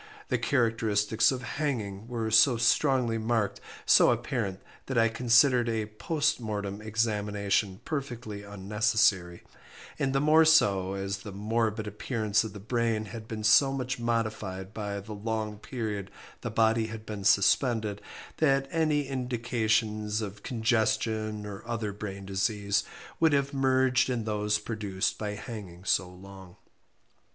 The characteristics of hanging were so strongly marked, so apparent, that I considered a post mortem examination perfectly unnecessary, and the more so as the morbid appearances of the brain had been so much modified by the long period the body had been suspended, that any indications of congestion, or other brain disease, would have been merged in those produced by hanging so long.